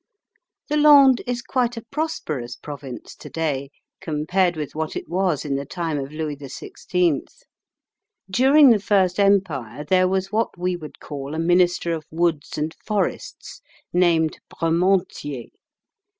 The Landes is quite a prosperous province to day compared with what it was in the time of Louis XVI. During the First Empire there was what we would call a Minister of Woods and Forests named Bremontier.